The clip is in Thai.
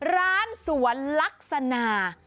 ร้านสวรรคศนา